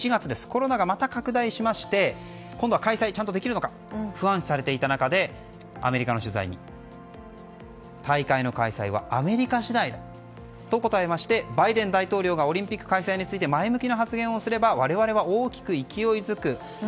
コロナがまた拡大しまして今度は開催がちゃんとできるのか不安視されていた中でアメリカの取材に大会の開催はアメリカ次第だと答えましてバイデン大統領がオリンピック開催について前向きな発言をすれば我々は大きく勢いづく。